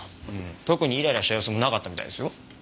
特にイライラした様子もなかったみたいですよ。